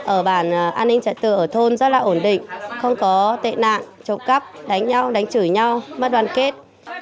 ở bản an ninh trật tự ở thôn rất là ổn định không có tệ nạn trộm cắp đánh nhau đánh chửi nhau mất đoàn kết